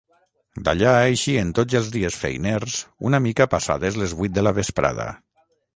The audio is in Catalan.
D'allà eixien tots els dies feiners una mica passades les vuit de la vesprada.